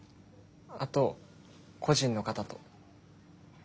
あと故人の方と。